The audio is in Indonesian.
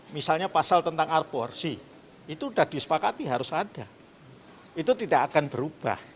misalnya pasal tentang arborsi itu sudah disepakati harus ada itu tidak akan berubah